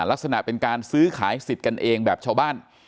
ลักษณะเป็นการซื้อขายสิทธิ์กันเองแบบชาวบ้าน